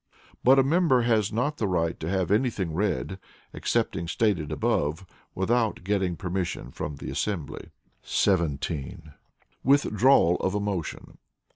But a member has not the right to have anything read (excepting stated above) without getting permission from the assembly. 17. Withdrawal of a Motion.